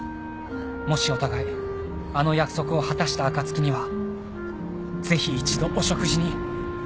「もしお互いあの約束を果たした暁には是非一度お食事に」